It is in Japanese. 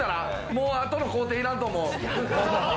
もう、あとの工程いらんと思う。